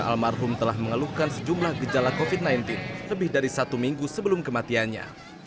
almarhum telah mengeluhkan sejumlah gejala covid sembilan belas lebih dari satu minggu sebelum kematiannya